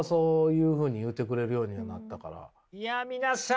いや皆さん